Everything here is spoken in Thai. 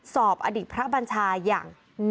อดีตพระบัญชาอย่าง